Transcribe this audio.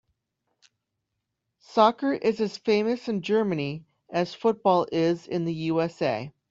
Soccer is as famous in Germany as football is in the USA.